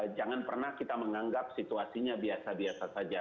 jangan pernah kita menganggap situasinya biasa biasa saja